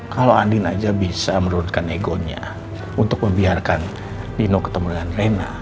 kalau andin aja bisa menurunkan egonya untuk membiarkan dino ketemu dengan reina